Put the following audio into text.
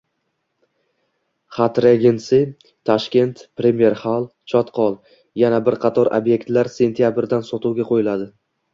Hyatt Regency Tashkent, Premier Hall, “Chotqol”. Yana bir qator obyektlar sentabrdan sotuvga qo‘yiladi